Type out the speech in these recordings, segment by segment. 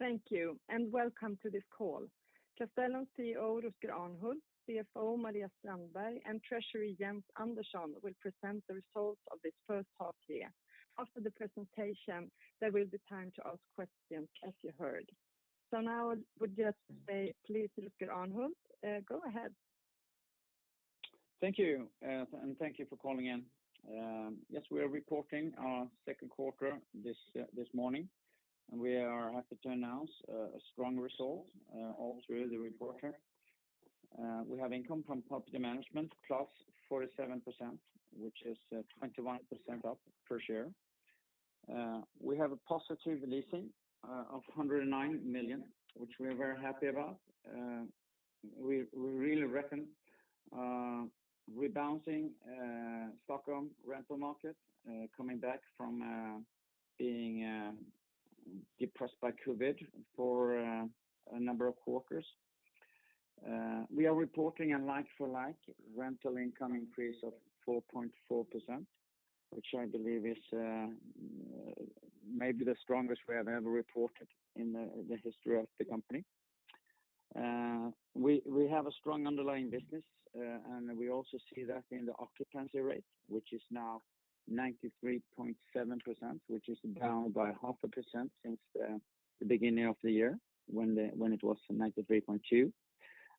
Thank you, and welcome to this call. Castellum CEO Rutger Arnhult, CFO Maria Strandberg, and Treasury Jens Andersson will present the results of this first half year. After the presentation, there will be time to ask questions, as you heard. Now I would just say please, Rutger Arnhult, go ahead. Thank you, and thank you for calling in. Yes, we are reporting our second quarter this morning, and we are happy to announce a strong result all through the quarter. We have income from property management plus 47%, which is 21% up per share. We have a positive leasing of 109 million, which we are very happy about. We really reckon rebounding Stockholm rental market coming back from being depressed by COVID for a number of quarters. We are reporting a like-for-like rental income increase of 4.4%, which I believe is maybe the strongest we have ever reported in the history of the company. We have a strong underlying business, and we also see that in the occupancy rate, which is now 93.7%, which is down by 0.5% since the beginning of the year when it was 93.2%.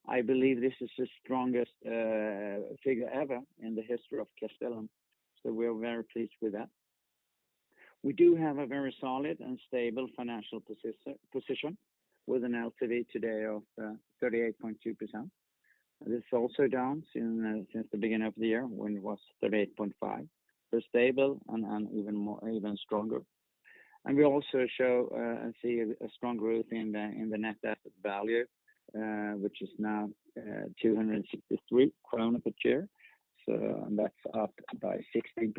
I believe this is the strongest figure ever in the history of Castellum, so we are very pleased with that. We do have a very solid and stable financial position with an LTV today of 38.2%. This is also down since the beginning of the year when it was 38.5%. We're stable and even stronger. We also show and see a strong growth in the net asset value, which is now 263 krona per share. That's up by 16%.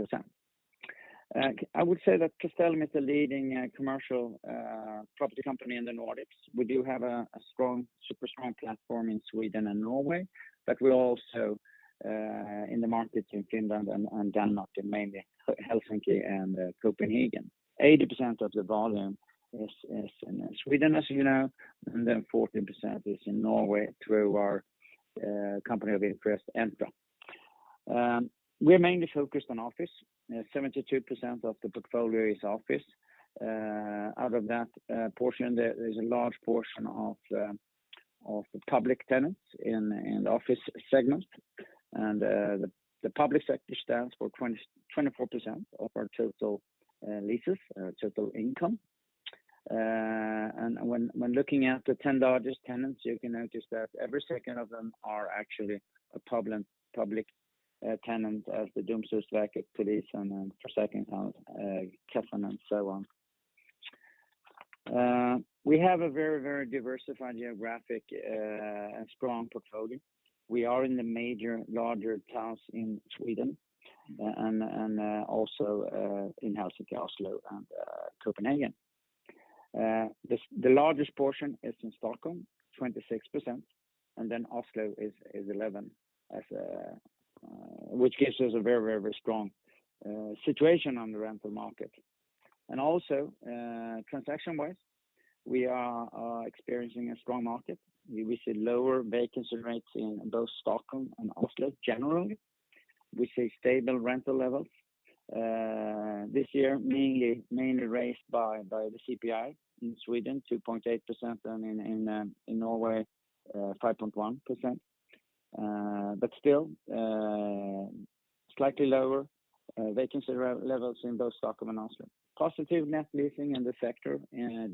I would say that Castellum is the leading commercial property company in the Nordics. We do have a strong, super strong platform in Sweden and Norway, but we're also in the market in Finland and Denmark, mainly in Helsinki and Copenhagen. 80% of the volume is in Sweden, as you know, and then 40% is in Norway through our company of interest, Entra. We're mainly focused on office. 72% of the portfolio is office. Out of that portion there's a large portion of public tenants in office segment. The public sector stands for 24% of our total leases total income. When looking at the 10 largest tenants, you can notice that every second of them are actually a public tenant of the Domstolsverket, police and then second, Kriminalvården and so on. We have a very diversified geographically strong portfolio. We are in the major larger towns in Sweden and also in Helsinki, Oslo, and Copenhagen. The largest portion is in Stockholm, 26%, and then Oslo is 11%, which gives us a very strong situation on the rental market. Also, transaction-wise, we are experiencing a strong market. We see lower vacancy rates in both Stockholm and Oslo generally. We see stable rental levels this year, mainly raised by the CPI in Sweden, 2.8%, and in Norway, 5.1%. Still slightly lower vacancy levels in both Stockholm and Oslo. Positive net leasing in the sector in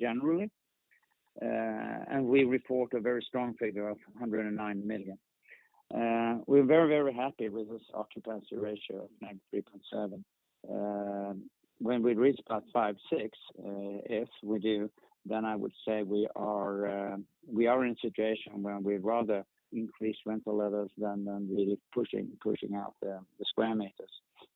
general, and we report a very strong figure of 109 million. We're very happy with this occupancy ratio of 93.7%. When we reach about 95%-96%, if we do, then I would say we are in a situation where we'd rather increase rental levels than really pushing out the square meters.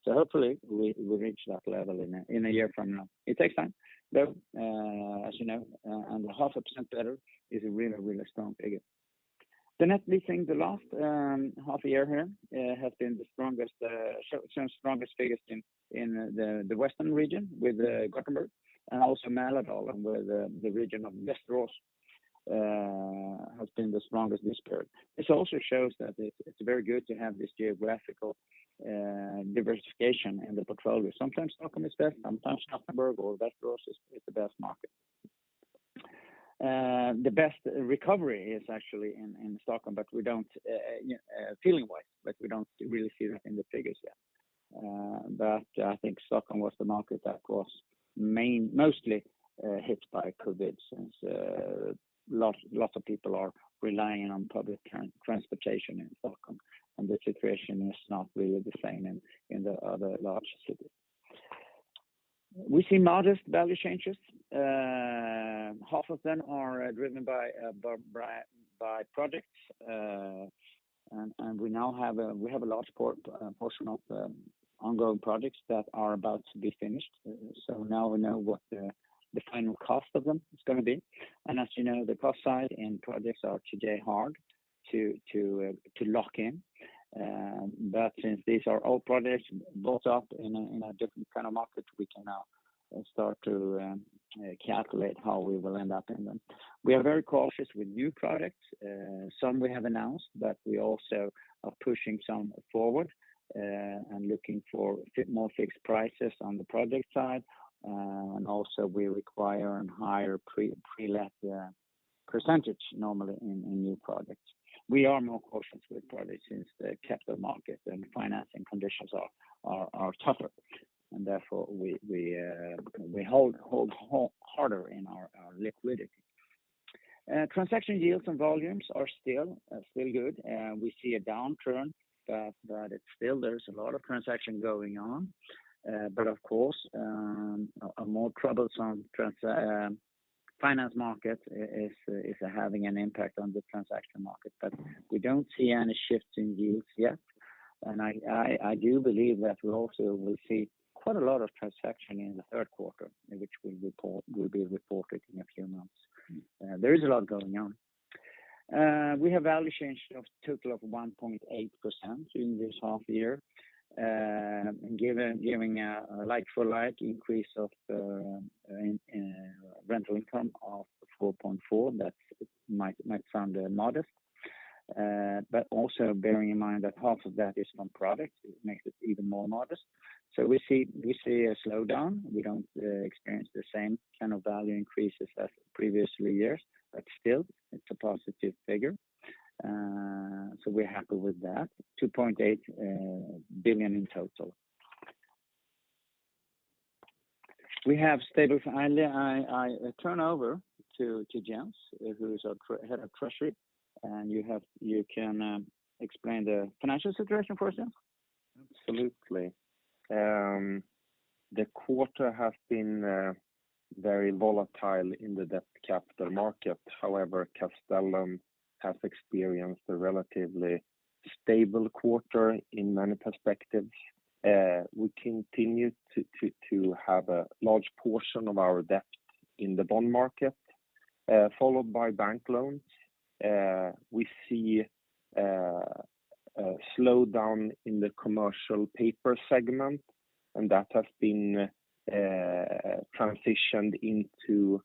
Hopefully we reach that level in a year from now. It takes time. As you know, 0.5% better is a really, really strong figure. The net leasing the last half a year here has been the strongest figures in the western region with Gothenburg and also Mälardalen where the region of Västerås has been the strongest this period. This also shows that it's very good to have this geographical diversification in the portfolio. Sometimes Stockholm is best, sometimes Gothenburg or Västerås is the best market. The best recovery is actually in Stockholm, but feeling-wise, we don't really feel it in the figures yet. I think Stockholm was the market that was mostly hit by COVID since lots of people are relying on public transportation in Stockholm, and the situation is not really the same in the other large cities. We see modest value changes. Half of them are driven by projects. We now have a large portion of ongoing projects that are about to be finished. Now we know what the final cost of them is gonna be. As you know, the cost side in projects is today hard to lock in. Since these are all products built up in a different kind of market, we can now start to calculate how we will end up in them. We are very cautious with new products. Some we have announced, but we also are pushing some forward, and looking for a bit more fixed prices on the product side. We also require a higher pre-let percentage normally in new products. We are more cautious with products since the capital market and financing conditions are tougher, and therefore we hold harder on our liquidity. Transaction yields and volumes are still good. We see a downturn, but it's still, there's a lot of transactions going on. Of course, a more troublesome finance market is having an impact on the transaction market. We don't see any shifts in yields yet. I do believe that we also will see quite a lot of transactions in the third quarter, which will be reported in a few months. There is a lot going on. We have a total value change of 1.8% in this half year. Giving a like-for-like increase of rental income of 4.4%, that might sound modest. But also bearing in mind that half of that is from projects, it makes it even more modest. We see a slowdown. We don't experience the same kind of value increases as previous three years, but still, it's a positive figure. We're happy with that. 2.8 billion in total. I turn over to Jens, who is our Head of Treasury, and you can explain the financial situation for us, Jens. Absolutely. The quarter has been very volatile in the debt capital market. However, Castellum has experienced a relatively stable quarter in many perspectives. We continue to have a large portion of our debt in the bond market, followed by bank loans. We see a slowdown in the commercial paper segment, and that has been transitioned into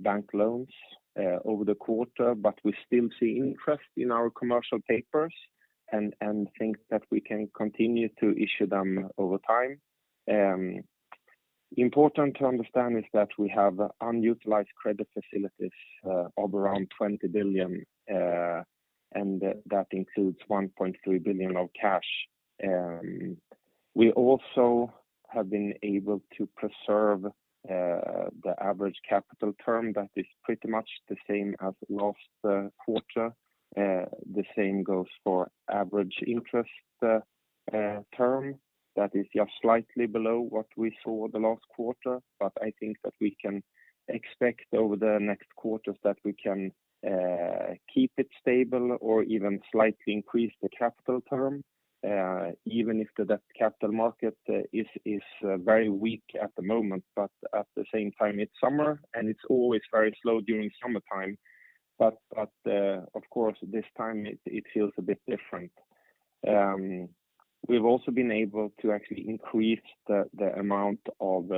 bank loans over the quarter. We still see interest in our commercial papers and think that we can continue to issue them over time. Important to understand is that we have unutilized credit facilities of around 20 billion, and that includes 1.3 billion of cash. We also have been able to preserve the average capital term that is pretty much the same as last quarter. The same goes for average interest term that is just slightly below what we saw the last quarter. I think that we can expect over the next quarters that we can keep it stable or even slightly increase the capital term, even if the debt capital market is very weak at the moment. At the same time, it's summer, and it's always very slow during summertime. Of course, this time it feels a bit different. We've also been able to actually increase the amount of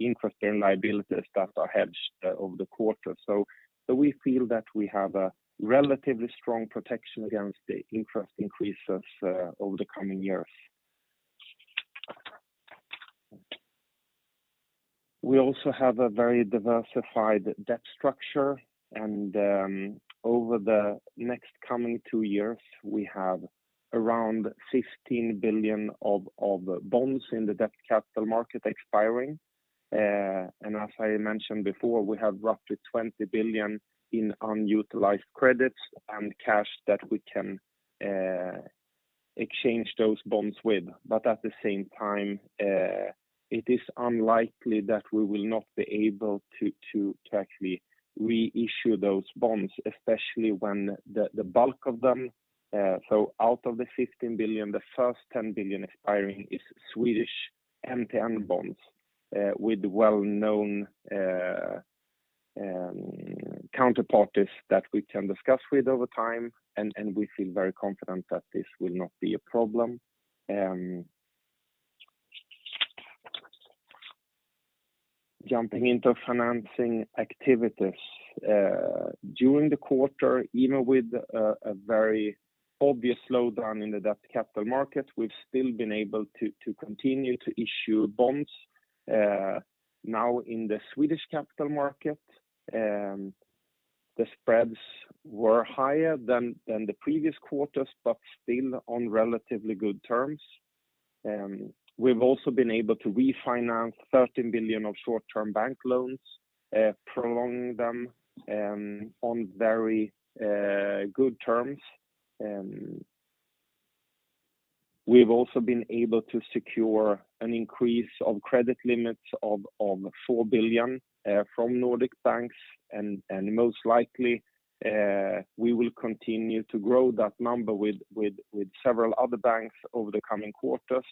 interest and liabilities that are hedged over the quarter. We feel that we have a relatively strong protection against the interest increases over the coming years. We also have a very diversified debt structure. Over the next coming two years, we have around 15 billion of bonds in the debt capital market expiring. As I mentioned before, we have roughly 20 billion in unutilized credits and cash that we can exchange those bonds with. At the same time, it is unlikely that we will not be able to actually reissue those bonds, especially when the bulk of them. Out of the 15 billion, the first 10 billion expiring is Swedish MTN bonds with well-known counterparties that we can discuss with over time. We feel very confident that this will not be a problem. Jumping into financing activities. During the quarter, even with a very obvious slowdown in the debt capital market, we've still been able to continue to issue bonds. Now in the Swedish capital market, the spreads were higher than the previous quarters, but still on relatively good terms. We've also been able to refinance 13 billion of short-term bank loans, prolonging them, on very good terms. We've also been able to secure an increase of credit limits of 4 billion from Nordic banks. Most likely, we will continue to grow that number with several other banks over the coming quarters.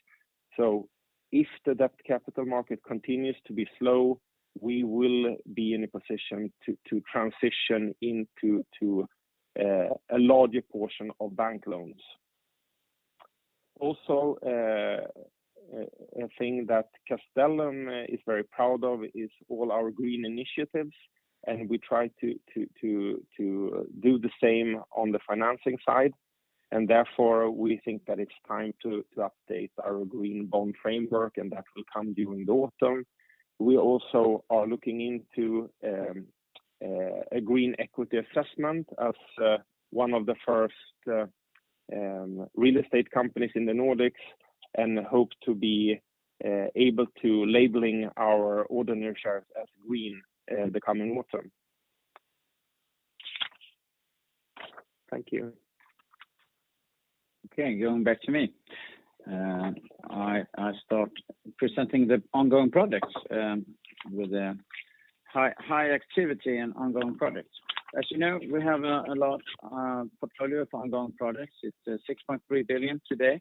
If the debt capital market continues to be slow, we will be in a position to transition into a larger portion of bank loans. A thing that Castellum is very proud of is all our green initiatives, and we try to do the same on the financing side. Therefore, we think that it's time to update our green bond framework, and that will come during the autumn. We also are looking into a Green Equity assessment as one of the first real estate companies in the Nordics and hope to be able to labeling our ordinary shares as green in the coming autumn. Thank you. Okay, going back to me. I start presenting the ongoing projects with a high activity and ongoing projects. As you know, we have a large portfolio of ongoing projects. It's 6.3 billion today,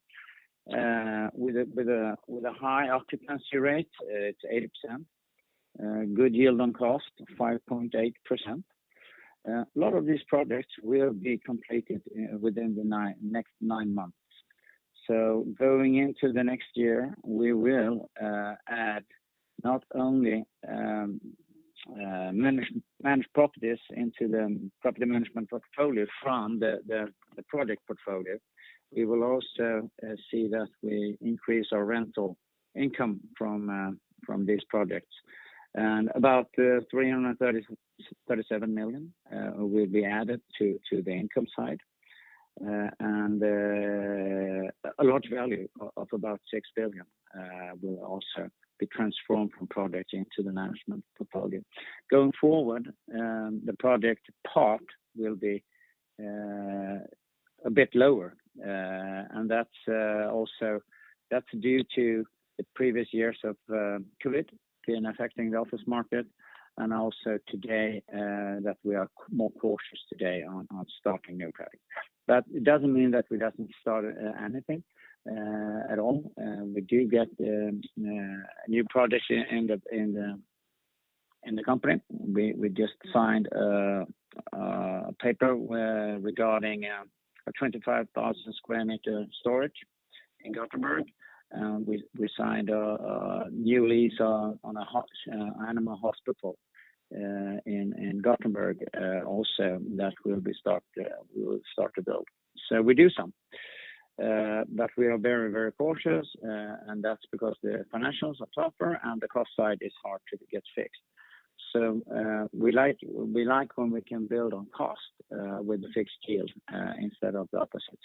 with a high occupancy rate. It's 80%. Good yield on cost, 5.8%. A lot of these projects will be completed within the next nine months. Going into the next year, we will add not only managed properties into the property management portfolio from the project portfolio. We will also see that we increase our rental income from these projects. About 337 million will be added to the income side. A large value of about 6 billion will also be transformed from projects into the management portfolio. Going forward, the project part will be a bit lower. That's also due to the previous years of COVID affecting the office market. Also today that we are more cautious today on starting new projects. It doesn't mean that we doesn't start anything at all. We do get new projects in the company. We just signed a paper regarding a 25,000-square-meter storage in Gothenburg. We signed a new lease on an animal hospital in Gothenburg also that will start to build. We do some. We are very cautious, and that's because the financials are tougher, and the cost side is hard to get fixed. We like when we can build on cost with a fixed yield instead of the opposite.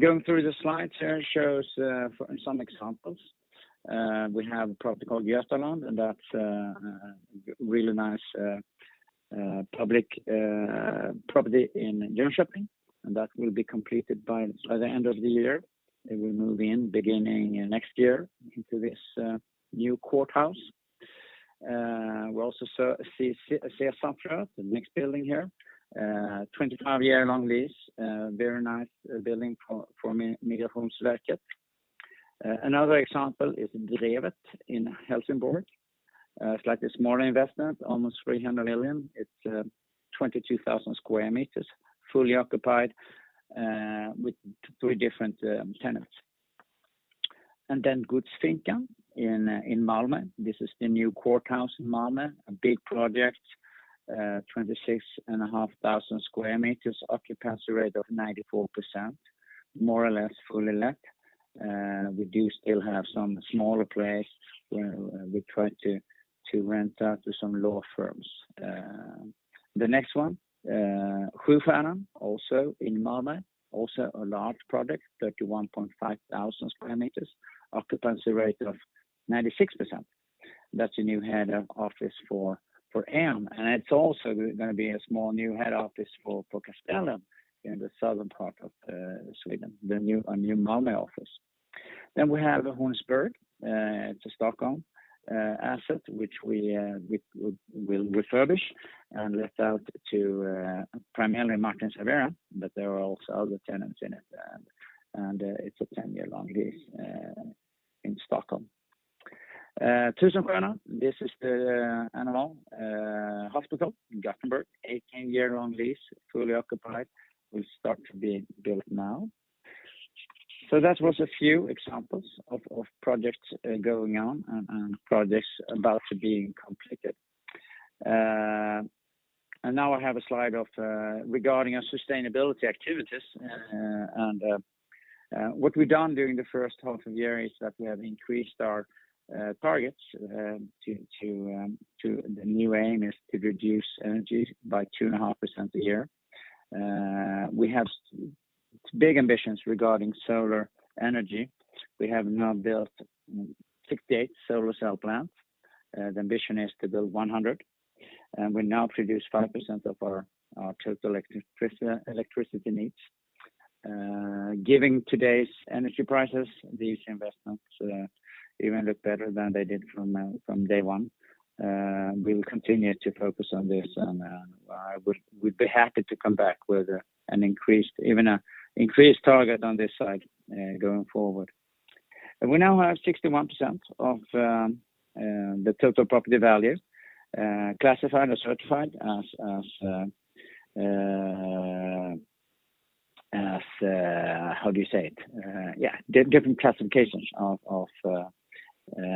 Going through the slides here shows some examples. We have a project called Götaland, and that's a really nice public property in Jönköping, and that will be completed by the end of the year. They will move in beginning next year into this new courthouse. We also see Sätra, the next building here. 25-year long lease, very nice building for Migrationsverket. Another example is Drevet in Helsingborg. Slightly smaller investment, almost 300 million. It's 22,000 square meters, fully occupied, with three different tenants. Godsfinkan in Malmö. This is the new courthouse in Malmö, a big project, 26.5 thousand square meters, occupancy rate of 94%, more or less fully let. We do still have some smaller place where we try to rent out to some law firms. The next one, Sjöfararen, also in Malmö, also a large project, 31.5 thousand square meters, occupancy rate of 96%. That's a new head office for Migrationsverket, and it's also gonna be a small new head office for Castellum in the southern part of Sweden, the new Malmö office. We have the Hornsberg. It's a Stockholm asset, which we will refurbish and let out to primarily Martin & Servera, but there are also other tenants in it. It's a 10-year long lease in Stockholm. Tusenskönan, this is the animal hospital in Gothenburg. 18-year long lease, fully occupied, will start to be built now. That was a few examples of projects going on and projects about to be completed. Now I have a slide regarding our sustainability activities. What we've done during the first half of the year is that we have increased our targets. The new aim is to reduce energy by 2.5% a year. We have big ambitions regarding solar energy. We have now built 68 solar cell plants. The ambition is to build 100, and we now produce 5% of our total electricity needs. Giving today's energy prices, these investments even look better than they did from day one. We will continue to focus on this and I would be happy to come back with an increased, even an increased target on this side, going forward. We now have 61% of the total property value classified or certified as different classifications of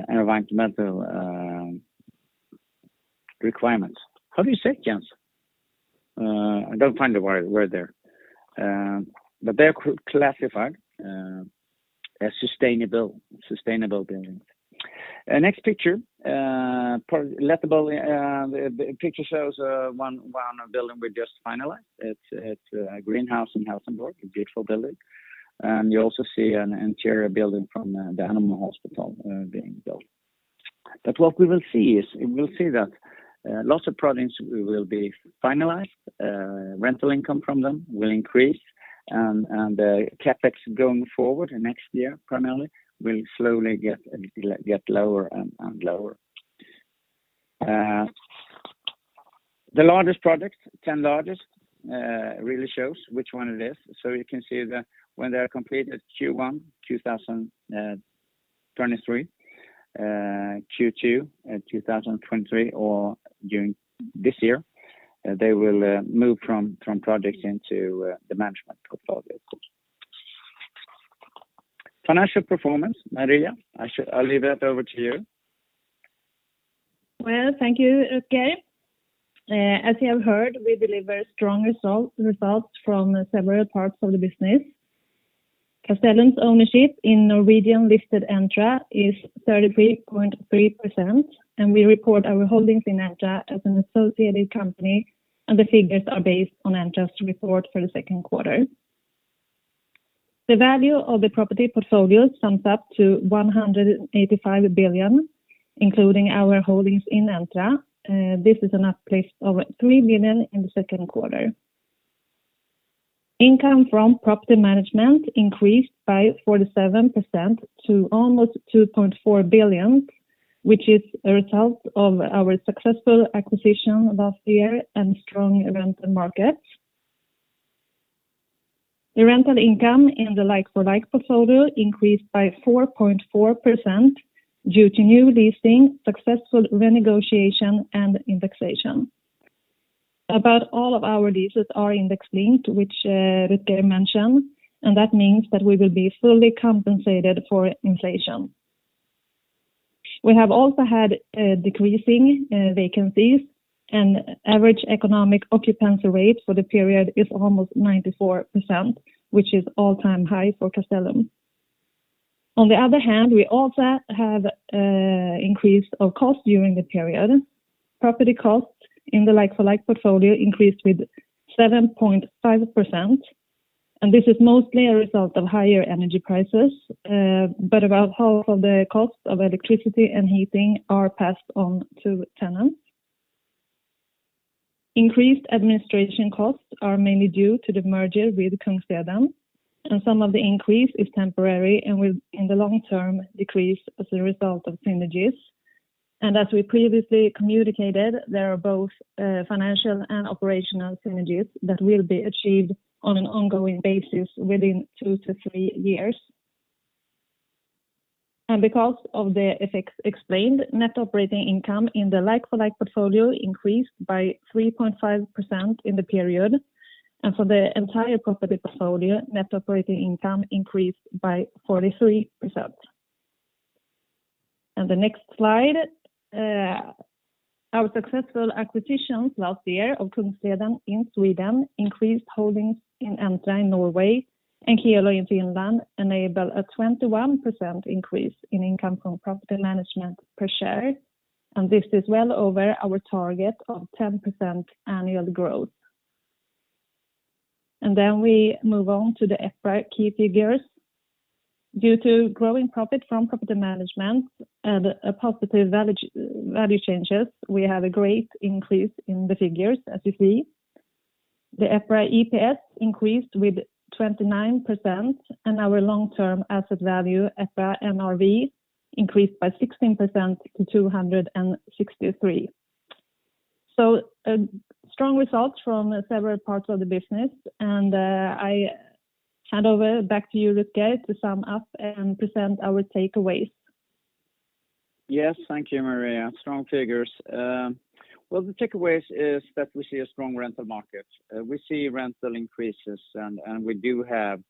environmental requirements. How do you say it, Jens? I don't find the word there. But they're classified as sustainable buildings. Next picture, the picture shows one building we just finalized. It's a greenhouse in Helsingborg, a beautiful building. You also see an interior building from the animal hospital being built. What we will see is we'll see that lots of projects will be finalized, rental income from them will increase, and CapEx going forward, next year primarily, will slowly get lower and lower. The largest projects, 10 largest, really shows which one it is. You can see the when they are completed Q1 2023, Q2 2023 or during this year, they will move from projects into the management portfolio. Financial performance, Maria, I'll leave that over to you. Well, thank you, Rutger. As you have heard, we deliver strong results from several parts of the business. Castellum's ownership in Norwegian-listed Entra is 33.3%, and we report our holdings in Entra as an associated company, and the figures are based on Entra's report for the second quarter. The value of the property portfolio sums up to 185 billion, including our holdings in Entra. This is an uplift over 3 billion in the second quarter. Income from property management increased by 47% to almost 2.4 billion, which is a result of our successful acquisition last year and strong rental markets. The rental income in the like-for-like portfolio increased by 4.4% due to new leasing, successful renegotiation, and indexation. About all of our leases are index-linked, which, Rutger mentioned, and that means that we will be fully compensated for inflation. We have also had decreasing vacancies, and average economic occupancy rate for the period is almost 94%, which is all-time high for Castellum. On the other hand, we also have increase of cost during the period. Property cost in the like-for-like portfolio increased with 7.5%, and this is mostly a result of higher energy prices, but about half of the cost of electricity and heating are passed on to tenants. Increased administration costs are mainly due to the merger with Kungsleden, and some of the increase is temporary and will, in the long term, decrease as a result of synergies. As we previously communicated, there are both financial and operational synergies that will be achieved on an ongoing basis within 2-3 years. Because of the effects explained, net operating income in the like-for-like portfolio increased by 3.5% in the period. For the entire property portfolio, net operating income increased by 43%. The next slide, our successful acquisitions last year of Kungsleden in Sweden increased holdings in Entra in Norway, and Kielo in Finland enable a 21% increase in income from property management per share, and this is well over our target of 10% annual growth. We move on to the EPRA key figures. Due to growing profit from property management and a positive value changes, we have a great increase in the figures, as you see. The EPRA EPS increased with 29%, and our long-term asset value, EPRA NRV, increased by 16% to 263. Strong results from several parts of the business, and I hand over back to you, Rutger, to sum up and present our takeaways. Yes. Thank you, Maria. Strong figures. Well, the takeaways is that we see a strong rental market. We see rental increases and we do have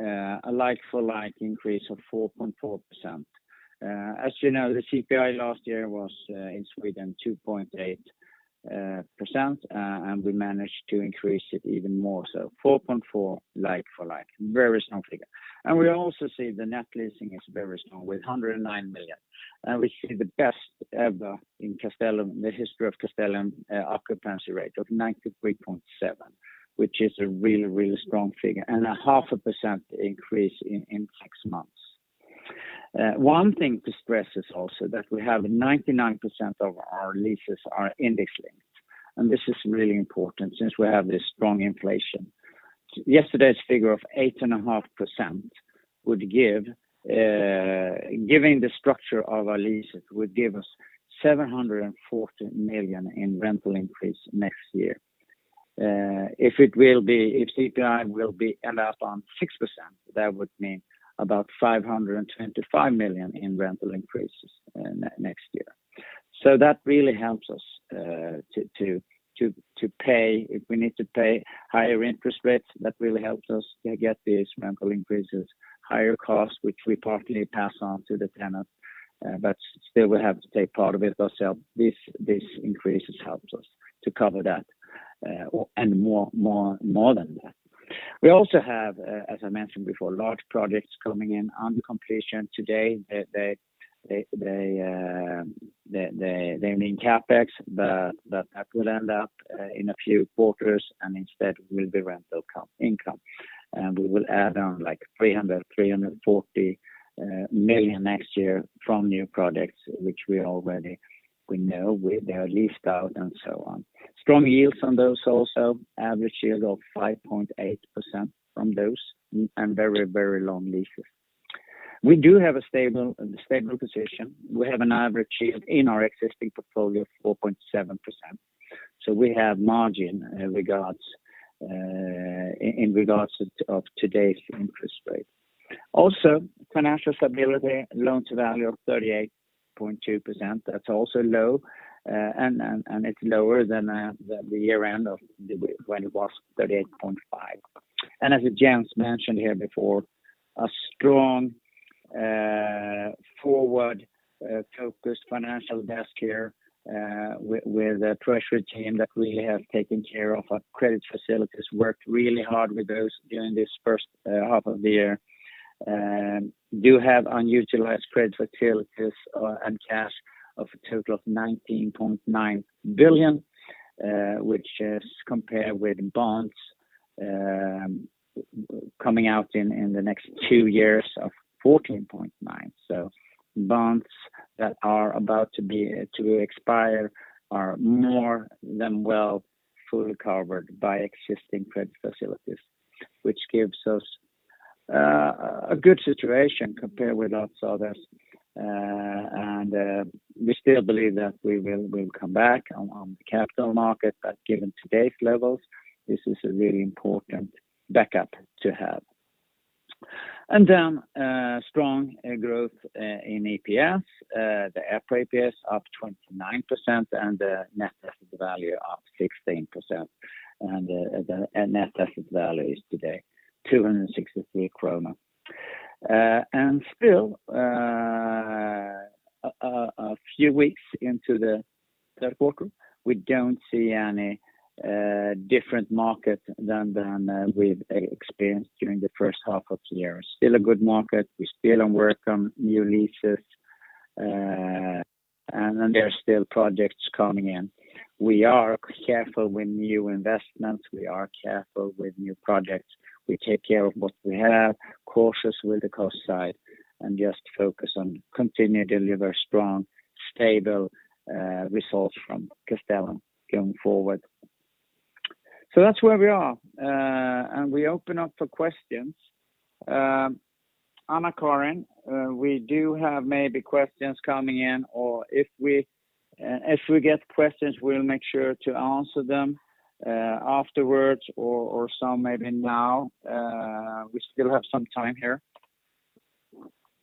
a like-for-like increase of 4.4%. As you know, the CPI last year was in Sweden 2.8%, and we managed to increase it even more so 4.4% Like-for-like. Very strong figure. We also see the net leasing is very strong with 109 million. We see the best ever in Castellum, the history of Castellum, occupancy rate of 93.7%, which is a really strong figure, and a 0.5% increase in six months. One thing to stress is also that we have 99% of our leases are index-linked, and this is really important since we have this strong inflation. Yesterday's figure of 8.5%, giving the structure of our leases, would give us 740 million in rental increase next year. If CPI will end up on 6%, that would mean about 525 million in rental increases next year. That really helps us to pay. If we need to pay higher interest rates, that really helps us to get these rental increases. Higher costs, which we partly pass on to the tenant, but still we have to take part of it ourselves. These increases help us to cover that, and more than that. We also have, as I mentioned before, large projects coming in under completion today. They mean CapEx, but that will end up in a few quarters and instead will be rental income. We will add on like 340 million next year from new projects which we already know they are leased out and so on. Strong yields on those also. Average yield of 5.8% from those and very long leases. We do have a stable position. We have an average yield in our existing portfolio of 4.7%. We have margin in regards to today's interest rate. Financial stability, loan-to-value of 38.2%. That's also low, and it's lower than the year-end, when it was 38.5%. As Jens mentioned here before, a strong forward-focused financial desk here, with a treasury team that really have taken care of our credit facilities, worked really hard with those during this first half of the year. Do have unutilized credit facilities and cash of a total of 19.9 billion, which is compared with bonds coming out in the next two years of 14.9 billion. Bonds that are about to expire are more than well fully covered by existing credit facilities, which gives us a good situation compared with lots of others. We still believe that we will come back on the capital market. Given today's levels, this is a really important backup to have. Strong growth in EPS. The EPRA EPS up 29% and the net asset value up 16%. The net asset value is today 263 krona. Still, a few weeks into the third quarter, we don't see any different market than we've experienced during the first half of the year. Still a good market. We still work on new leases, and there are still projects coming in. We are careful with new investments. We are careful with new projects. We take care of what we have, cautious with the cost side and just focus on continue to deliver strong, stable, results from Castellum going forward. That's where we are. We open up for questions. Anna-Karin, we do have maybe questions coming in, or if we get questions, we'll make sure to answer them, afterwards or some maybe now. We still have some time here.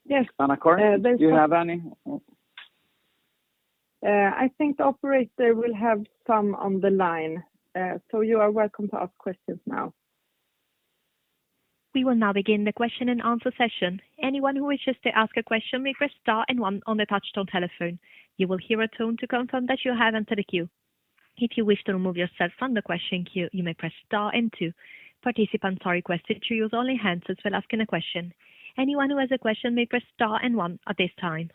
Yes. Anna-Karin- There's some- Do you have any? I think the operator will have some on the line. You are welcome to ask questions now. We will now begin the question-and-answer session. Anyone who wishes to ask a question, may press star and one on the touch tone telephone. You will hear a tone to confirm that you have entered a queue. If you wish to remove yourself from the question queue, you may press star and two. Participants are requested to use only handsets when asking a question. Anyone who has a question may press star and one at this time.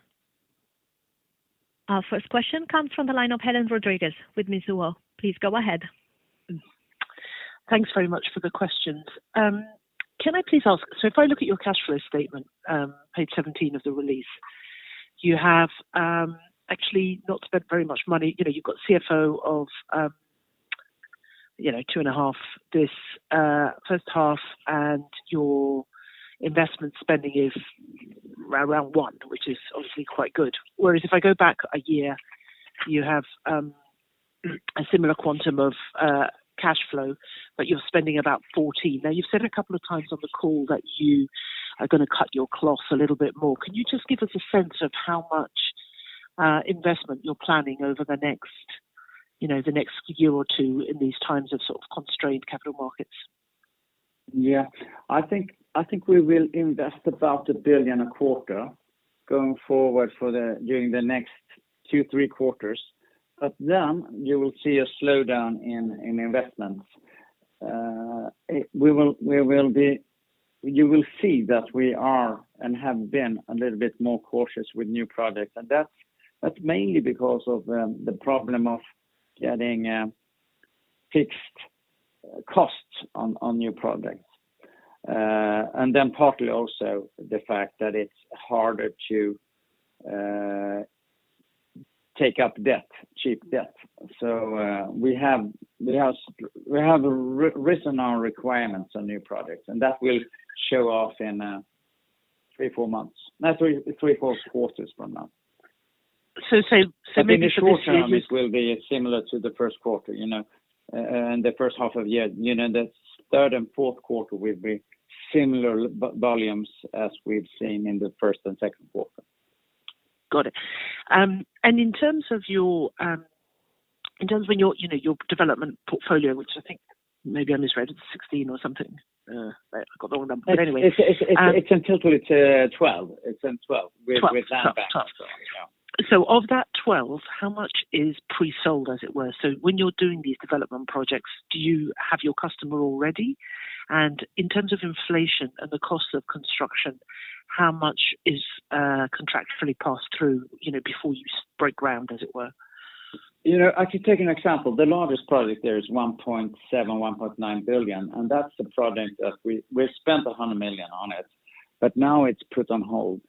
Our first question comes from the line of Helen Rodriguez with Mizuho. Please go ahead. Thanks very much for the questions. Can I please ask, so if I look at your cash flow statement, page 17 of the release, you have actually not spent very much money. You know, you've got CFO of, you know, SEK 2.5 billion this first half, and your investment spending is around 1 billion, which is obviously quite good. Whereas if I go back a year, you have a similar quantum of cash flow, but you're spending about 14 billion. Now, you've said a couple of times on the call that you are gonna cut your cloth a little bit more. Can you just give us a sense of how much investment you're planning over the next, you know, the next year or two in these times of sort of constrained capital markets? Yeah. I think we will invest about 1 billion a quarter going forward during the next two, three quarters. You will see a slowdown in investments. You will see that we are and have been a little bit more cautious with new projects. That's mainly because of the problem of getting fixed costs on new projects. Partly also the fact that it's harder to take up cheap debt. We have written our requirements on new projects, and that will show up in three, four quarters from now. Maybe for this year. The short term, it will be similar to the first quarter, you know, and the first half of year. You know, the third and fourth quarter will be similar volumes as we've seen in the first and second quarter. Got it. In terms of your development portfolio, which I think maybe I misread, it's 16 or something. I got the wrong number. Anyway, It's in total 12. It's in 12. 12. With that back. Yeah. Of that 12, how much is pre-sold as it were? When you're doing these development projects, do you have your customer already? In terms of inflation and the cost of construction, how much is contractually passed through, you know, before you break ground, as it were? You know, I can take an example. The largest project there is 1.7 billion-1.9 billion, and that's a project that we spent 100 million on it, but now it's put on hold.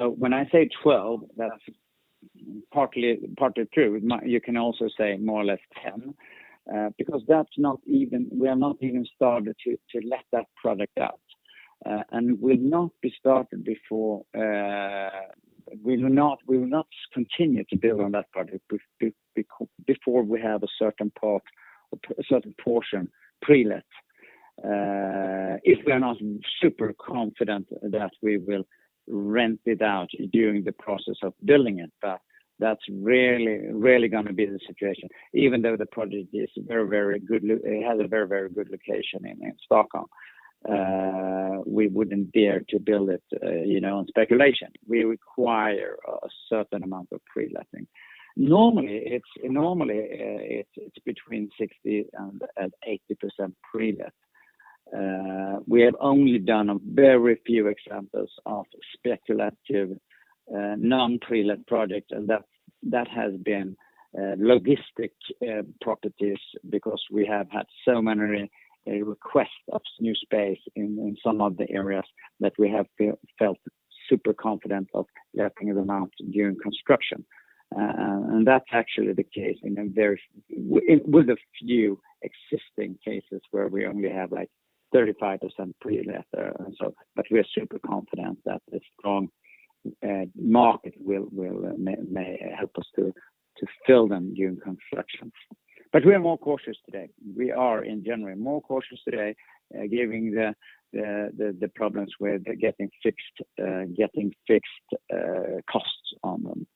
When I say 12, that's partly true. You can also say more or less 10, because that's not even. We have not even started to let that project out. It will not be started before we will not continue to build on that project before we have a certain portion pre-let. If we're not super confident that we will rent it out during the process of building it. That's really gonna be the situation. Even though the project is very good, it has a very good location in Stockholm. We wouldn't dare to build it, you know, on speculation. We require a certain amount of pre-letting. Normally, it's between 60% and 80% pre-let. We have only done a very few examples of speculative, non-pre-let projects, and that has been logistics properties because we have had so many requests for new space in some of the areas that we have felt super confident of letting it out during construction. And that's actually the case with a few existing cases where we only have like 35% pre-let there, but we're super confident that the strong market will may help us to fill them during construction. We are more cautious today. We are in general more cautious today, giving the problems with getting fixed costs on them.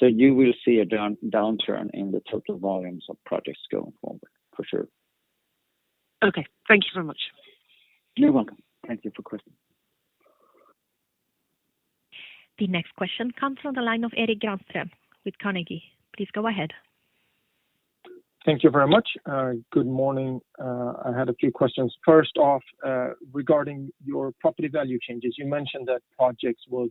You will see a downturn in the total volumes of projects going forward for sure. Okay. Thank you so much. You're welcome. Thank you for question. The next question comes from the line of Erik Granström with Carnegie. Please go ahead. Thank you very much. Good morning. I had a few questions. First off, regarding your property value changes. You mentioned that projects was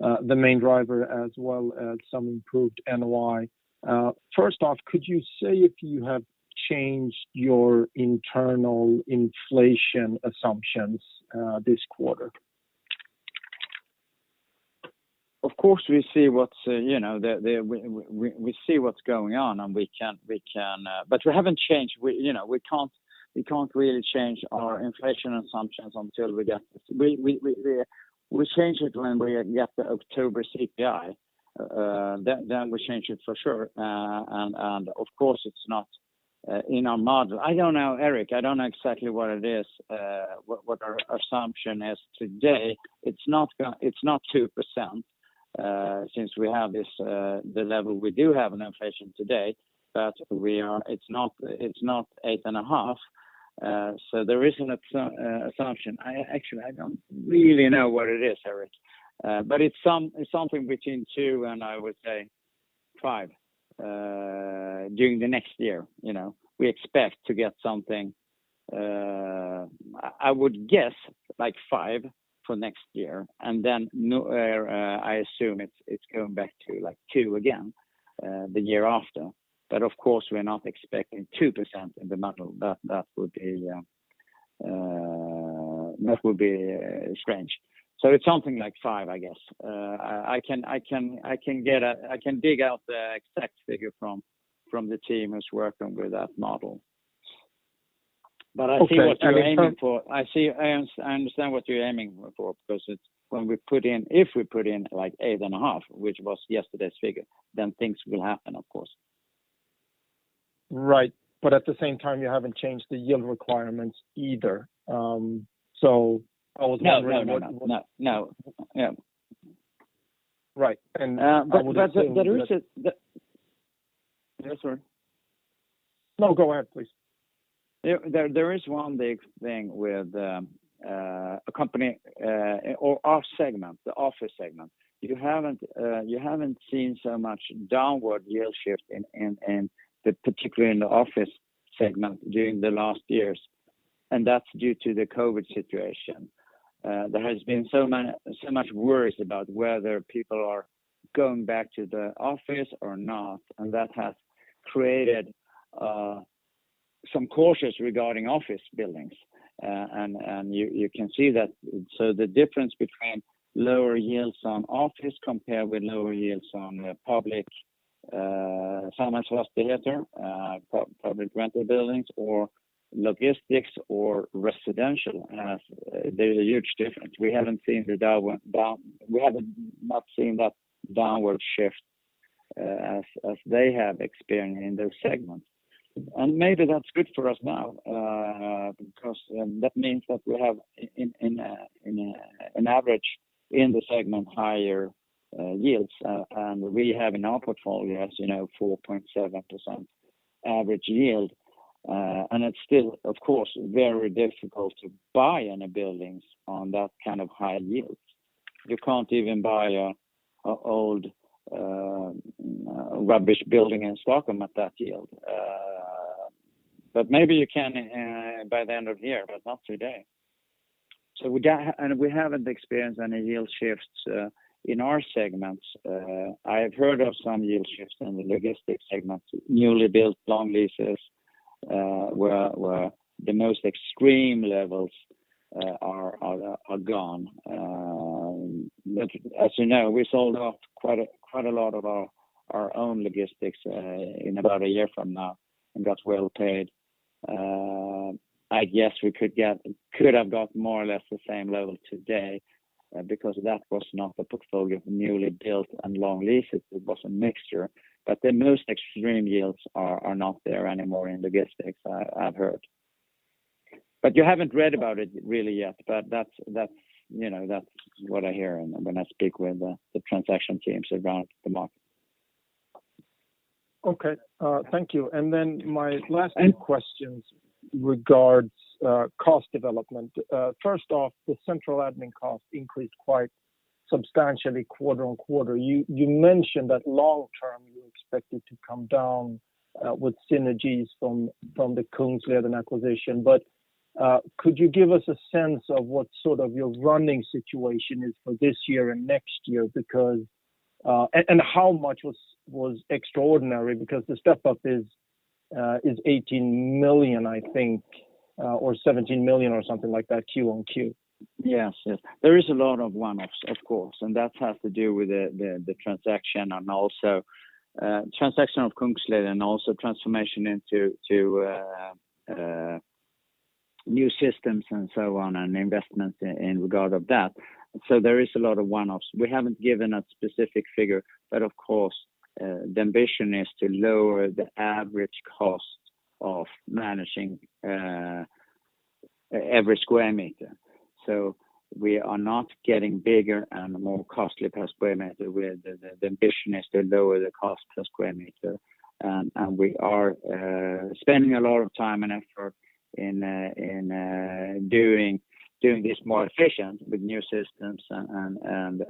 the main driver as well as some improved NOI. First off, could you say if you have changed your internal inflation assumptions this quarter? Of course, we see what's going on, and we can. We haven't changed. We can't really change our inflation assumptions until we get the October CPI. We change it when we get the October CPI. Then we change it for sure. Of course it's not in our model. I don't know, Erik. I don't know exactly what it is, what our assumption is today. It's not 2%, since we have the level we do have in inflation today. It's not 8.5%, so there is an assumption. I actually don't really know what it is, Erik. It's something between 2% and 5% during the next year, you know. We expect to get something, I would guess like 5% for next year and then I assume it's going back to like 2% again, the year after. Of course, we're not expecting 2% in the model. That would be strange. It's something like 5%, I guess. I can dig out the exact figure from the team who's working with that model. Okay. I see what you're aiming for. I understand what you're aiming for because it's when we put in, if we put in like 8.5, which was yesterday's figure, then things will happen, of course. Right. At the same time, you haven't changed the yield requirements either. I was wondering what? No, we're not. No. Yeah. Right. I would assume that. Yes, sir. No, go ahead, please. There is one big thing with a company or our segment, the office segment. You haven't seen so much downward yield shift particularly in the office segment during the last years, and that's due to the COVID situation. There has been so much worry about whether people are going back to the office or not, and that has created some caution regarding office buildings. You can see that. The difference between lower yields on office compared with lower yields on public samhällsfastigheter, public rental buildings or logistics or residential has a huge difference. There's a huge difference. We have not seen that downward shift as they have experienced in those segments. Maybe that's good for us now, because that means that we have in an average in the segment higher yields. We have in our portfolios, you know, 4.7% average yield. It's still, of course, very difficult to buy any buildings on that kind of high yields. You can't even buy an old rubbish building in Stockholm at that yield. But maybe you can by the end of the year, but not today. We haven't experienced any yield shifts in our segments. I have heard of some yield shifts in the logistics segments. Newly built long leases where the most extreme levels are gone. As you know, we sold off quite a lot of our own logistics in about a year from now and got well paid. I guess we could have got more or less the same level today, because that was not a portfolio of newly built and long leases. It was a mixture. The most extreme yields are not there anymore in logistics, I've heard. You haven't read about it really yet. That's, you know, that's what I hear when I speak with the transaction teams around the market. Okay. Thank you. My last few questions regarding cost development. First off, the central admin cost increased quite substantially quarter-on-quarter. You mentioned that long term you expected to come down with synergies from the Kungsleden acquisition. Could you give us a sense of what sort of your running situation is for this year and next year? And how much was extraordinary because the step-up is 18 million I think or 17 million or something like that quarter-on-quarter. Yes. There is a lot of one-offs of course, and that has to do with the transaction and also transaction of Kungsleden, and also transformation into to new systems and so on, and investments in regard of that. There is a lot of one-offs. We haven't given a specific figure, but of course, the ambition is to lower the average cost of managing every square meter. We are not getting bigger and more costly per square meter where the ambition is to lower the cost per square meter. We are spending a lot of time and effort in doing this more efficient with new systems and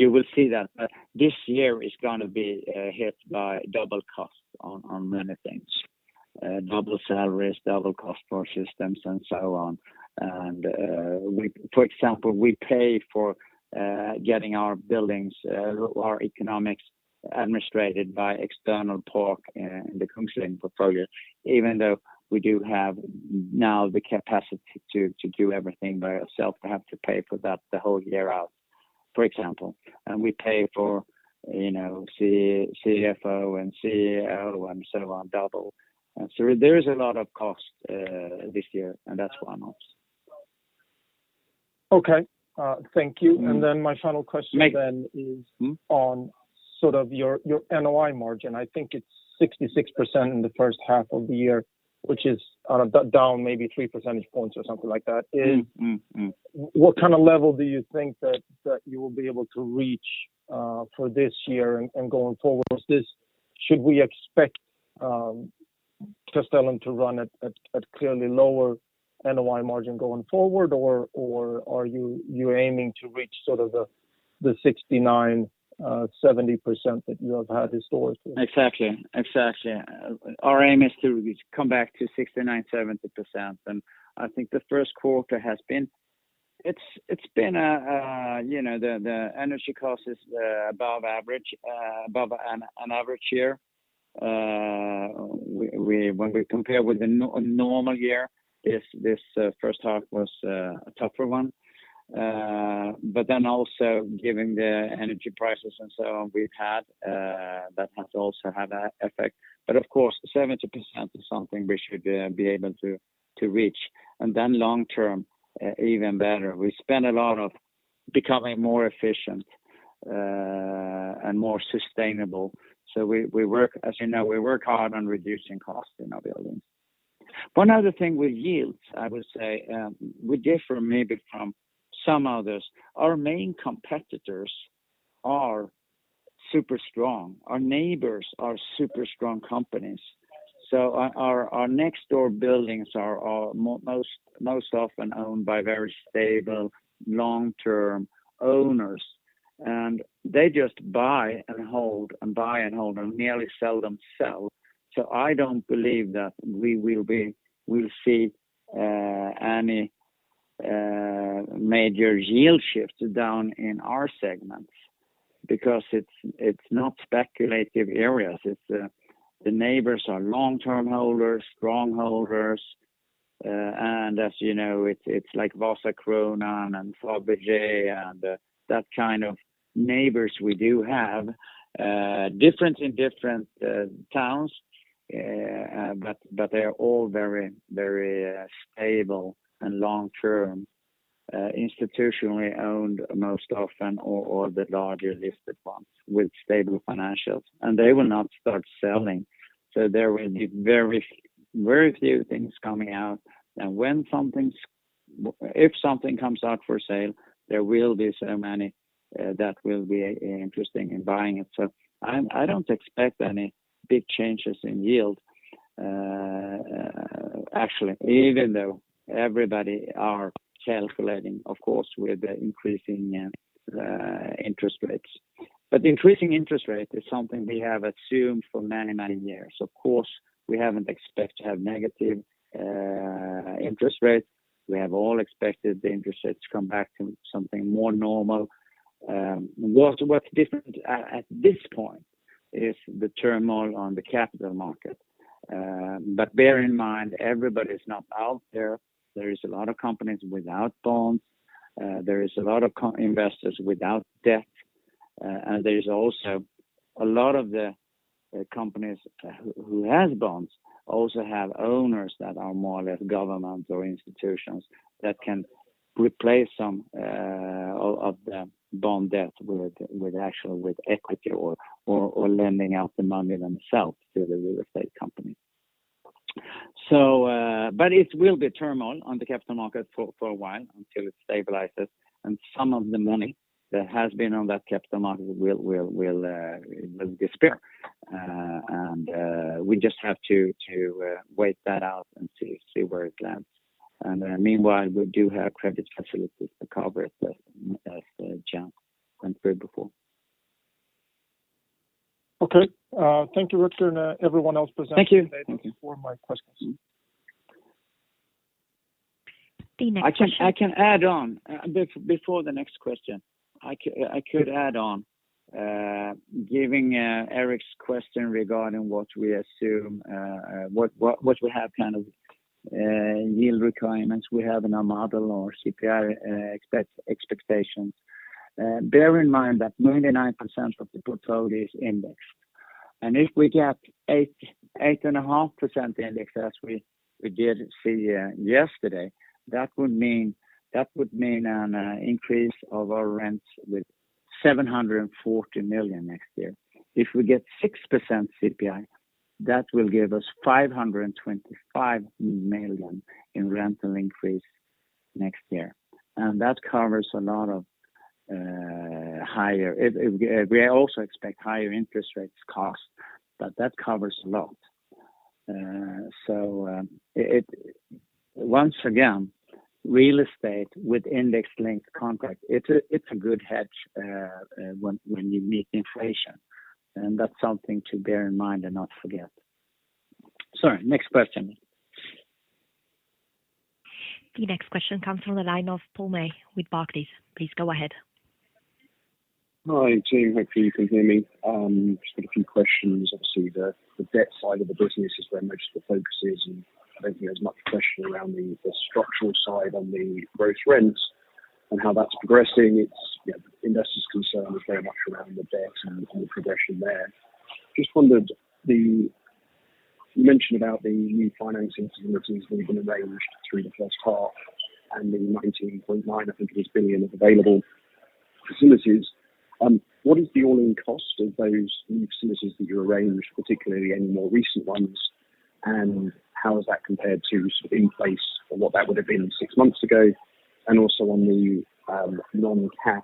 you will see that. This year is gonna be hit by double costs on many things, double salaries, double cost for systems, and so on. For example, we pay for getting our buildings, our economics administered by external help in the Kungsleden portfolio, even though we do have now the capacity to do everything by ourselves. We have to pay for that the whole year out, for example. We pay for, you know, CFO and CEO and so on double. There is a lot of costs this year, and that's one-offs. Okay. Thank you. Mm-hmm. My final question. Mm-hmm is on sort of your NOI margin. I think it's 66% in the first half of the year, which is down maybe three percentage points or something like that. Mm-hmm. Mm-hmm. Mm-hmm. What kind of level do you think that you will be able to reach for this year and going forward? Should we expect Castellum to run at clearly lower NOI margin going forward? Or are you aiming to reach sort of the 69%-70% that you have had historically? Exactly. Our aim is to reach 69%-70%. I think the first quarter has been. It's been, you know, the energy cost is above average, above an average year. When we compare with the normal year, this first half was a tougher one. Also giving the energy prices and so on we've had, that has also had an effect. Of course, 70% is something we should be able to reach. Then long term, even better. We spend a lot on becoming more efficient and more sustainable. We work. As you know, we work hard on reducing costs in our buildings. One other thing with yields, I would say, we differ maybe from some others. Our main competitors are super strong. Our neighbors are super strong companies. Our next door buildings are most often owned by very stable long-term owners, and they just buy and hold and never sell themselves. I don't believe that we'll see any major yield shifts down in our segments because it's not speculative areas. It's the neighbors are long-term holders, strong holders. And as you know, it's like Vasakronan and Fabege and that kind of neighbors we do have. Different in different towns, but they are all very stable and long-term institutionally owned most often or the larger listed ones with stable financials. They will not start selling. There will be very few things coming out. If something comes out for sale, there will be so many that will be interested in buying it. I don't expect any big changes in yield, actually, even though everybody are calculating, of course, with the increasing interest rates. Increasing interest rate is something we have assumed for many years. Of course, we haven't expect to have negative interest rates. We have all expected the interest rates to come back to something more normal. What's different at this point is the turmoil on the capital market. Bear in mind, everybody is not out there. There is a lot of companies without bonds. There is a lot of investors without debt. There is also a lot of the companies who has bonds also have owners that are more or less government or institutions that can replace some of their bond debt with actual equity or lending out the money themselves to the real estate company. It will be turmoil on the capital market for a while until it stabilizes. Some of the money that has been on that capital market will disappear. We just have to wait that out and see where it lands. Meanwhile, we do have credit facilities to cover it, Jens went through before. Okay. Thank you, Rutger, and everyone else presenting. Thank you. Today. Those were all my questions. The next question. I can add on. Before the next question, I could add on. Giving Erik's question regarding what we assume, what we have kind of yield requirements we have in our model or CPI expectations. Bear in mind that 99% of the portfolio is indexed. If we get 8.5% index as we did see yesterday, that would mean an increase of our rents with 740 million next year. If we get 6% CPI, that will give us 525 million in rental increase next year. That covers a lot of higher interest rates cost. We also expect higher interest rates cost, but that covers a lot. Once again, real estate with index-linked contract, it's a good hedge when you meet inflation, and that's something to bear in mind and not forget. Sorry, next question. The next question comes from the line of Paul May with Barclays. Please go ahead. Hi, team. Hopefully you can hear me. Just got a few questions. Obviously, the debt side of the business is where most of the focus is, and I don't think there's much question around the structural side on the growth rents and how that's progressing. It's, you know, investors' concern is very much around the debt and the progression there. Just wondered. You mentioned about the new financing facilities that have been arranged through the first half and the 19.9 billion, I think it was, of available facilities. What is the all-in cost of those new facilities that you arranged, particularly any more recent ones, and how does that compare to sort of in place or what that would have been six months ago? Also on the non-cash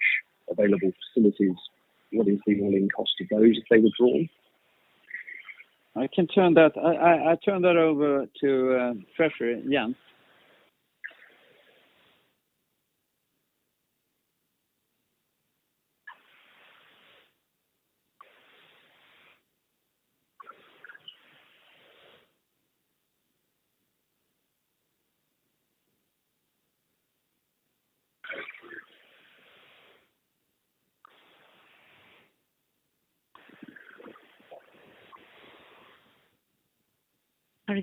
available facilities, what is the all-in cost of those if they withdraw? I turn that over to Jens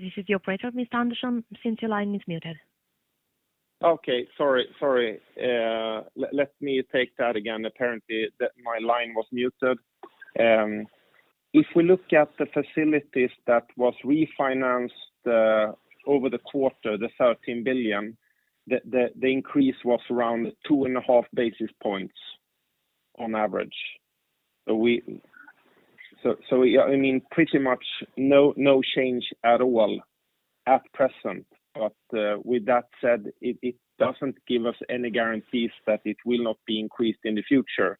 Andersson. Sorry, this is the operator. Mr. Andersson, since your line is muted. Okay, sorry. Let me take that again. Apparently, my line was muted. If we look at the facilities that was refinanced over the quarter, the 13 billion, the increase was around 2.5 basis points on average. Yeah, I mean, pretty much no change at all at present. With that said, it doesn't give us any guarantees that it will not be increased in the future.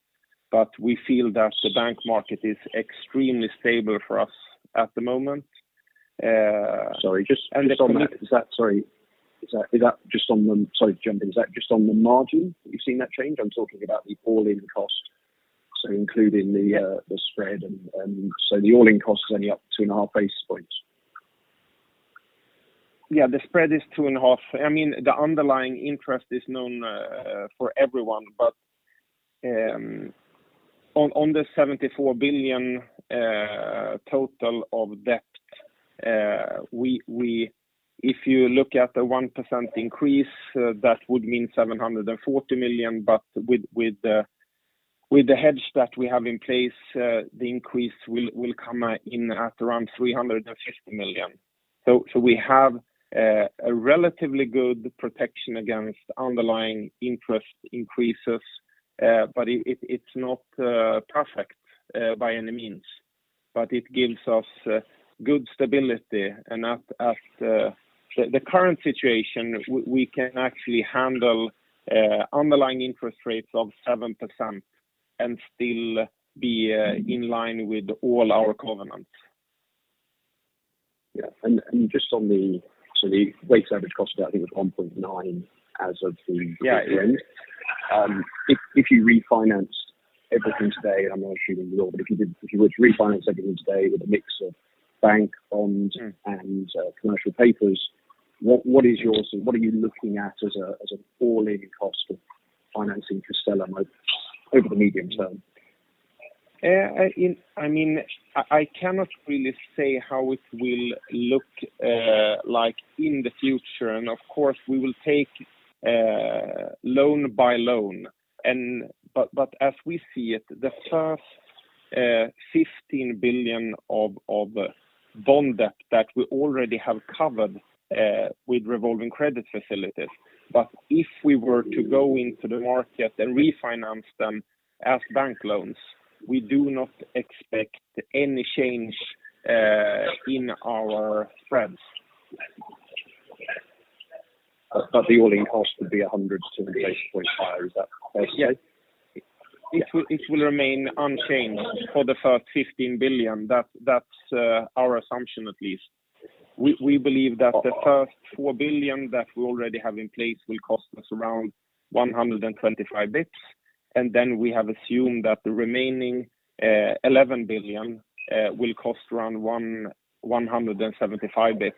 We feel that the bank market is extremely stable for us at the moment. Sorry, just on the. And the com- Sorry, is that just on the margin you've seen that change? Sorry to jump in. I'm talking about the all-in cost, so including the spread and. The all-in cost is only up 2.5 basis points. Yeah, the spread is 2.5. I mean, the underlying interest is known for everyone. On the 74 billion total of debt, if you look at the 1% increase, that would mean 740 million. But with the hedge that we have in place, the increase will come in at around 350 million. So we have a relatively good protection against underlying interest increases. But it is not perfect by any means. But it gives us good stability. At the current situation, we can actually handle underlying interest rates of 7% and still be in line with all our covenants. The weighted average cost, I think, was 1.9 as of the quarter end. Yeah. If you refinanced everything today, I'm not assuming you will, but if you did, if you were to refinance everything today with a mix of bank bonds. Yeah. commercial paper, what are you looking at as an all-in cost of financing Castellum over the medium term? I mean, I cannot really say how it will look like in the future. Of course, we will take loan by loan. As we see it, the first 15 billion of bond debt that we already have covered with revolving credit facilities. If we were to go into the market and refinance them as bank loans, we do not expect any change in our spreads. The all-in cost would be 175.5. Is that basically? Yeah. It will remain unchanged for the first 15 billion. That's our assumption at least. We believe that the first 4 billion that we already have in place will cost us around 125 basis points. Then we have assumed that the remaining 11 billion will cost around 175 basis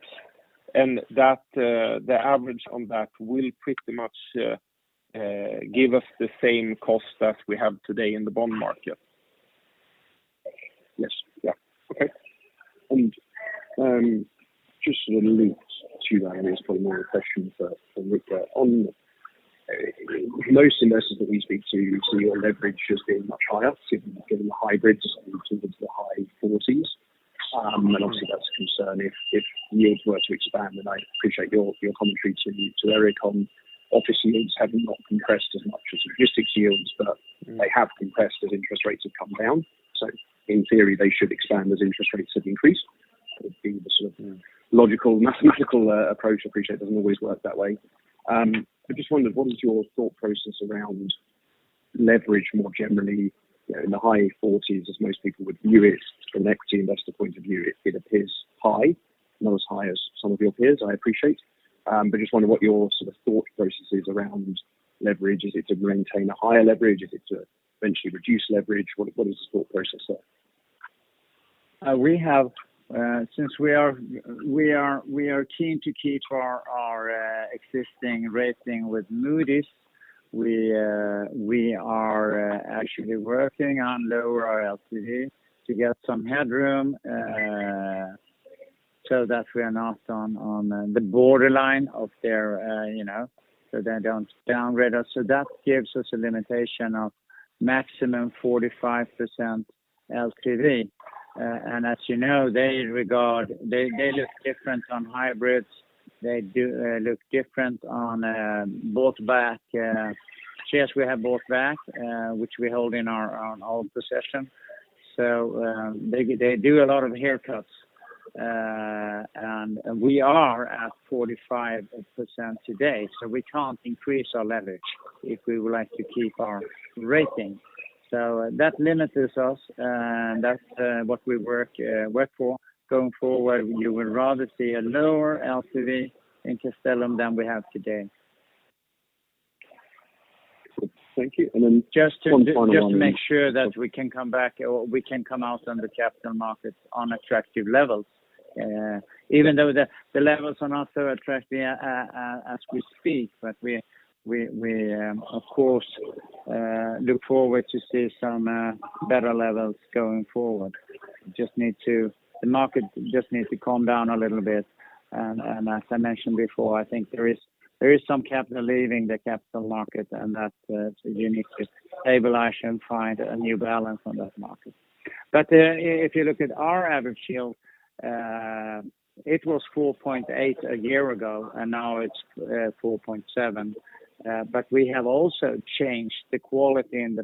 points. That the average on that will pretty much give us the same cost as we have today in the bond market. Yes. Yeah. Okay. Just sort of linked to that, I mean, it's probably more a question for Rutger Arnhult. Most investors that we speak to see your leverage as being much higher, given the hybrids sort of into the high forties. Obviously that's a concern if yields were to expand, and I appreciate your commentary to Erik Granström on. Obviously, yields have not compressed as much as logistics yields, but they have compressed as interest rates have come down. In theory, they should expand as interest rates have increased. That would be the sort of logical, mathematical approach. I appreciate it doesn't always work that way. I just wondered, what is your thought process around leverage more generally? You know, in the high 40s%, as most people would view it from an equity investor point of view, it appears high. Not as high as some of your peers, I appreciate. But just wondering what your sort of thought process is around leverage. Is it to maintain a higher leverage? Is it to eventually reduce leverage? What is the thought process there? Since we are keen to keep our existing rating with Moody's, we are actually working on lower our LTV to get some headroom, so that we are not on the borderline of their, you know, so they don't downgrade us. That gives us a limitation of maximum 45% LTV. As you know, they look different on hybrids. They do look different on bought back. Yes, we have bought back, which we hold in our own possession. They do a lot of haircuts. We are at 45% today, so we can't increase our leverage if we would like to keep our rating. That limits us, and that's what we work for. Going forward, you would rather see a lower LTV in Castellum than we have today. Excellent. Thank you. One final one. Just to make sure that we can come back or we can come out on the capital markets on attractive levels. Even though the levels are not so attractive as we speak, but we of course look forward to see some better levels going forward. The market just needs to calm down a little bit. As I mentioned before, I think there is some capital leaving the capital market, and that you need to stabilize and find a new balance on that market. If you look at our average yield, it was 4.8% a year ago, and now it's 4.7%. We have also changed the quality in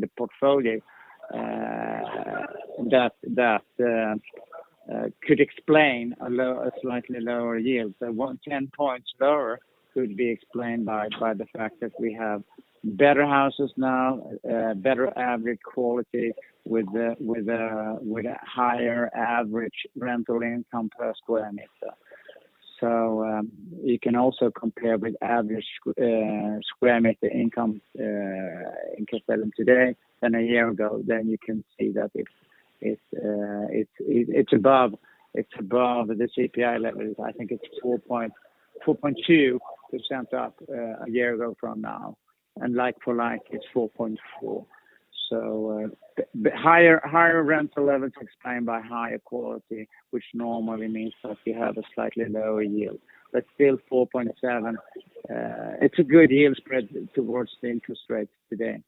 the portfolio that could explain a slightly lower yield. 10 points lower could be explained by the fact that we have better houses now, better average quality with a higher average rental income per square meter. You can also compare with average square meter income in Castellum today than a year ago, then you can see that it's above the CPI levels. I think it's 4.2% up a year ago from now, and like for like, it's 4.4. Higher rental levels explained by higher quality, which normally means that you have a slightly lower yield. But still 4.7, it's a good yield spread towards the interest rates today.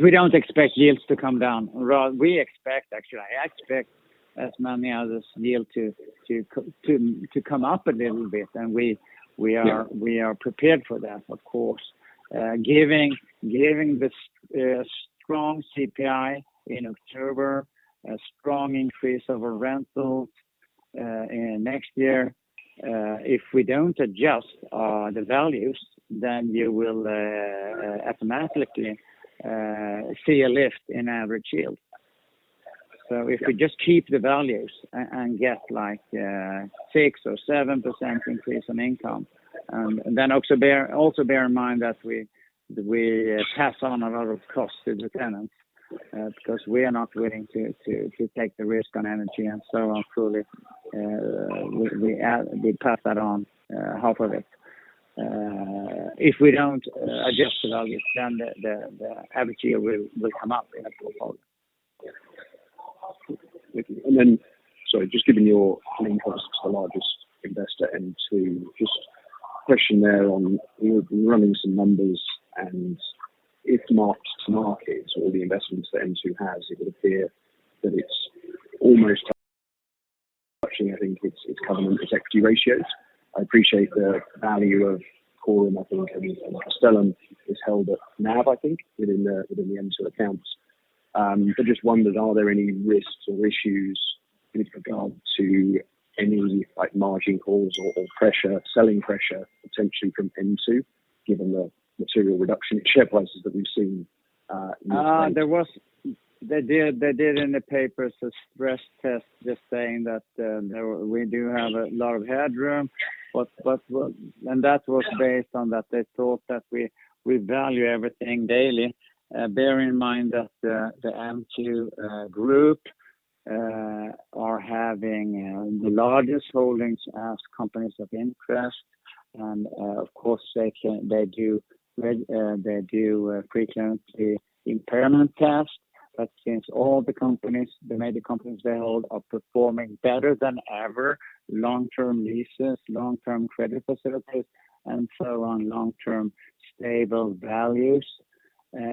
We don't expect yields to come down. We expect, actually I expect, as many others, yield to come up a little bit, and we are- Yeah. We are prepared for that, of course. Giving the strong CPI in October, a strong increase of a rental next year, if we don't adjust the values, then you will automatically see a lift in average yield. Yeah. If we just keep the values and get like 6 or 7% increase in income, then also bear in mind that we pass on a lot of costs to the tenants because we are not willing to take the risk on energy and so on fully. We pass that on, half of it. If we don't adjust the values, then the average yield will come up in our report. Thank you. Sorry, just given your close ties to the largest investor, M2, just a question there on, you know, running some numbers and if marked to market all the investments that M2 has, it would appear that it's almost, I think it's covenant, it's equity ratios. I appreciate the value of Corem, I think, and Castellum is held at NAV, I think, within the M2 accounts. I just wondered, are there any risks or issues with regard to any like margin calls or pressure, selling pressure potentially from M2, given the material reduction in share prices that we've seen in recent weeks? They did in the papers a stress test just saying that there we do have a lot of headroom. That was based on that they thought that we value everything daily. Bear in mind that the M2 group are having the largest holdings as companies of interest. Of course, they do frequently impairment tests. Since all the companies, the major companies they hold are performing better than ever, long-term leases, long-term credit facilities, and so on, long-term stable values,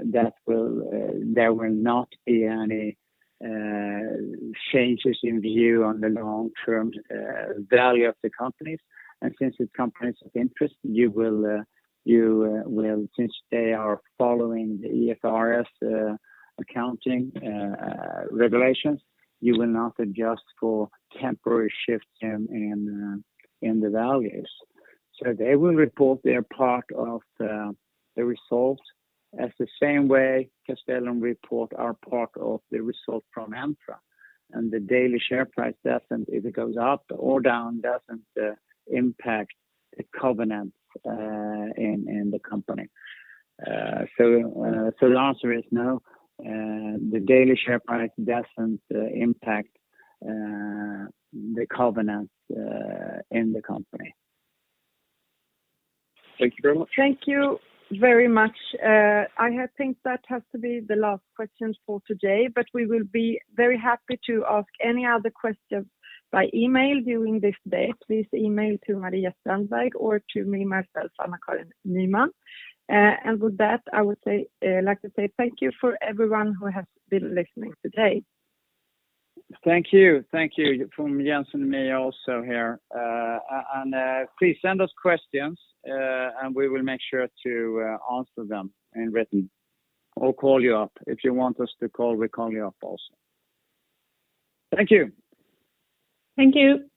there will not be any changes in view on the long-term value of the companies. Since it's companies of interest, you will. Since they are following the IFRS accounting regulations, you will not adjust for temporary shifts in the values. They will report their part of the results as the same way Castellum report our part of the result from Entra. The daily share price doesn't, if it goes up or down, impact the covenants in the company. The answer is no, the daily share price doesn't impact the covenants in the company. Thank you very much. Thank you very much. I think that has to be the last question for today, but we will be very happy to answer any other questions by email during this day. Please email to Maria Strandberg or to me myself, Anna-Karin Nyman. With that, I would say like to say thank you to everyone who has been listening today. Thank you. Thank you from Jens and me also here. And please send us questions, and we will make sure to answer them in written or call you up. If you want us to call, we call you up also. Thank you. Thank you.